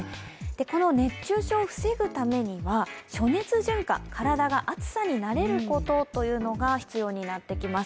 この熱中症を防ぐためには暑熱順化、体が暑さに慣れることが、必要になってきます。